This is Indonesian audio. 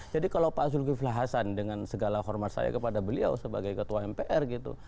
jadi kalau pak zulkiflah hasan dengan segala hormat saya kepada beliau sebagai ketua mpr gitu